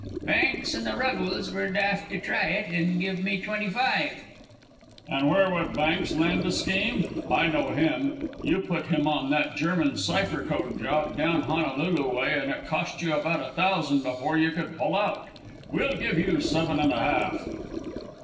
"Banks and the Ruggles were daft to try it and give me twenty five." "An' where would Banks land the scheme? I know him. You put him on that German cipher code job down Honolulu way, an' it cost you about a thousand before you could pull out. We'll give you seven an' a half."